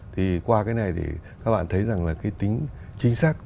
thì qua cái này thì các bạn thấy rằng là cái tính chính xác